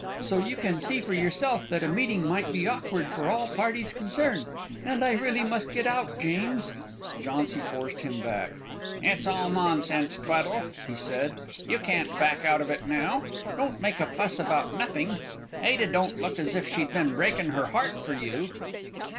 So you can see for yourself that a meeting might be awkward for all parties concerned; and I really must get out, James!" Jauncy forced him back. "It's all nonsense, Tweddle," he said, "you can't back out of it now! Don't make a fuss about nothing. Ada don't look as if she'd been breaking her heart for you!"